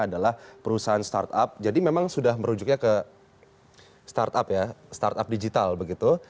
adalah perusahaan startup jadi memang sudah merujuknya ke startup ya startup digital begitu